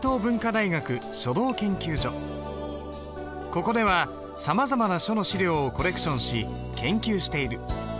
ここはここではさまざまな書の資料をコレクションし研究している。